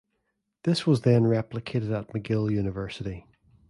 This was then replicated at McGill University.